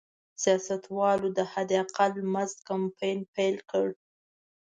سیاستوالو د حداقل مزد کمپاین پیل کړ.